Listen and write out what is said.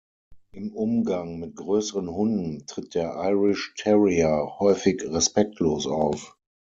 Im Umgang mit größeren Hunden tritt der Irish Terrier häufig respektlos auf.